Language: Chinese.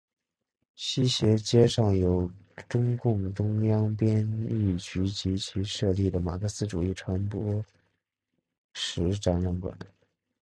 西斜街上有中共中央编译局及其设立的马克思主义传播史展览馆。